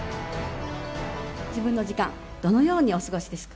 自分の時間、どのようにお過ごしですか。